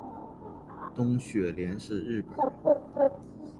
东雪莲是日本人